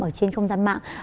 ở trên không gian mạng